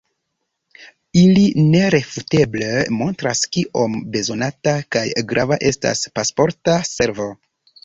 Ili nerefuteble montras kiom bezonata kaj grava estas Pasporta Servo.